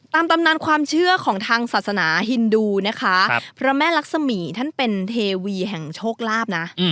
ตำนานความเชื่อของทางศาสนาฮินดูนะคะพระแม่ลักษมีท่านเป็นเทวีแห่งโชคลาภนะ